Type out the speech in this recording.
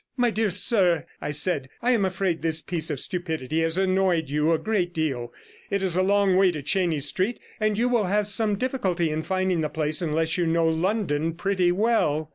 'My dear sir,' I said, 'I am afraid this piece of stupidity has annoyed you a great deal. It is a long way to Chenies Street, and you will have some difficulty in finding the place unless you know London pretty well.'